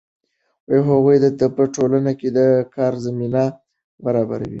هغوی ته په ټولنه کې د کار زمینه برابره کړئ.